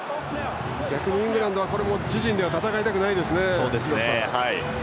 逆にイングランドは自陣では戦いたくないですね。